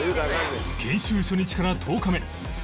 研修初日から１０日目